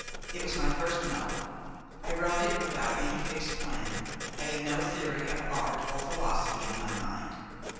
It was my first novel; I wrote it without any fixed plan, having no theory of art or philosophy in my mind.